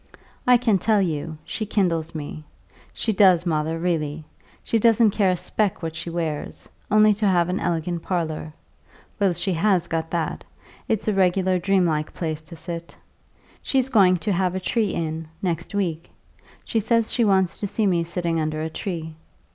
I can tell you, she kindles me; she does, mother, really. She doesn't care a speck what she wears only to have an elegant parlour. Well, she has got that; it's a regular dream like place to sit. She's going to have a tree in, next week; she says she wants to see me sitting under a tree.